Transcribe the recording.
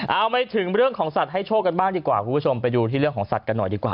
เอาไปถึงเรื่องของสัตว์ให้โชคกันบ้างดีกว่าคุณผู้ชมไปดูที่เรื่องของสัตว์กันหน่อยดีกว่า